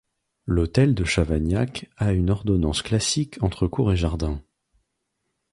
L'hôtel de Chavagnac a une ordonnance classique entre cour et jardin.